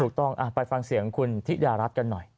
ถูกต้องไปฟังเสียงคุณธิดารัฐกันหน่อย